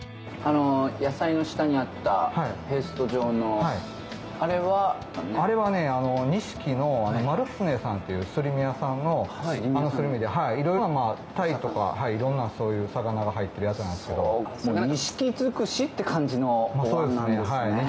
野菜の下にあったペースト状のあれはあれはね錦の丸常さんっていうすり身屋さんのすり身でいろいろなタイとかいろんなそういう魚が入ってるやつなんですけど錦尽くしって感じのお椀なんですね